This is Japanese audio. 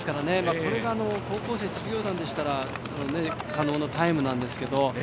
これが高校生、実業団でしたら可能なタイムなんですけども。